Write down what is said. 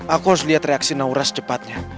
aku harus lihat reaksi naura secepatnya